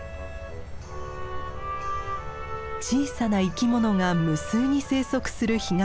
小さな生き物が無数に生息する干潟。